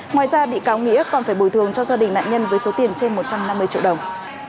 ngoài ra bị cáo nghĩa còn phải bồi thường cho gia đình nạn nhân với số tiền trên một trăm năm mươi triệu đồng